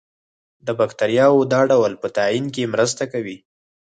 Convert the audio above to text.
د باکتریاوو د ډول په تعین کې مرسته کوي.